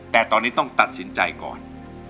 แต่ตอนนี้ต้องตัดสินใจก่อน